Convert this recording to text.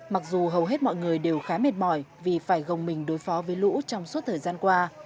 mặc dù hầu hết mọi người đều khá mệt mỏi vì phải gồng mình đối phó với lũ trong suốt thời gian qua